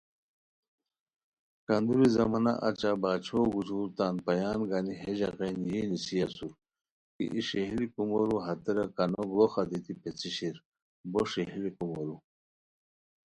کندوری زمانہ اچہ باچھو گجور تان پایان گانی ہے ژاغین یی نیسی اسور کی ای ݰئیلی کومورو ہتیرا کانو گڑوخہ دیتی پیڅھی شیر بو ݰیلی کومورو